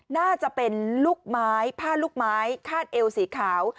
น่าจะเป็นลูกไม้ผ้าลูกไม้คาดเอวสีขาว